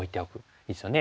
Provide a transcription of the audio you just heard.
いいですよね。